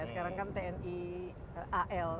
sekarang kan tni al